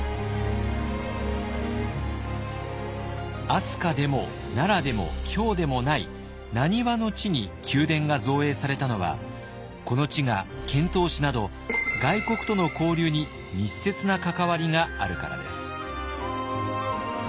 飛鳥でも奈良でも京でもない難波の地に宮殿が造営されたのはこの地が遣唐使など外国との交流に密接な関わりがあるからです。